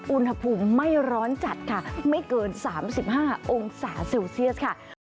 อุณหภูมิไม่ร้อนจัดค่ะไม่เกิน๓๕องศาเซลเซียสค่ะ